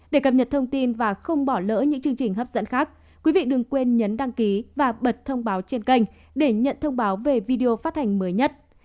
để cập nhật thông tin và không bỏ lỡ những chương trình hấp dẫn khác quý vị đừng quên nhấn đăng ký và bật thông báo trên kênh để nhận thông báo về video phát hành mới nhất